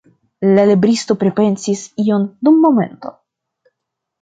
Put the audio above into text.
La libristo pripensis ion dum momento.